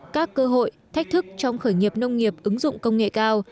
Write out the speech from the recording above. các cơ hội thách thức trong khởi nghiệp nông nghiệp ứng dụng công nghệ cao